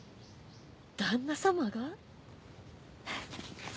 旦那様が？